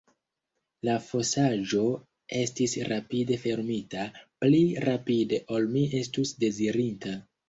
La fosaĵo estis rapide fermita, pli rapide ol mi estus dezirinta.